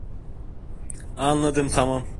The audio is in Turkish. Anladım, tamam.